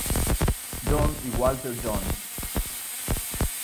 John y Walter Jones.